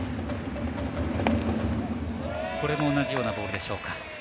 これも同じようなボールでしょうか